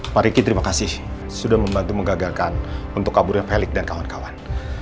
pak riki terima kasih sudah membantu menggagalkan untuk kaburin felix dan kawan kawan